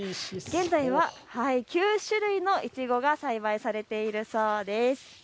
現在は９種類のいちごが栽培されているそうです。